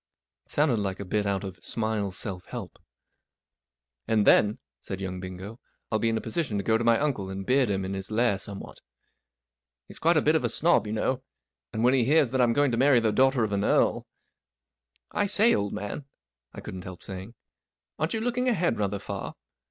It sounded like a bit out of 41 Smiles's Self Help." 44 And then," said young Bingo, 44 I'll be in a position to go to my uncle and beard him in his lair somewhat. He's quite a bit of a snob, you know, and when he hears that I'm going to marry the daughter of an earl " 44 I say, old man," I couldn't help saying, 44 aren't you looking ahead rather far